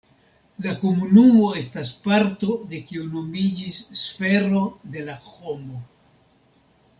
La komunumo estas parto de kio nomiĝis sfero de la homo.